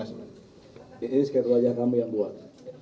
ini sketch wajah kamu yang buat